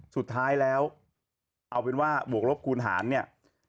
สุดท้ายแล้วเอาเป็นว่าบวกลบคูณหารเนี่ย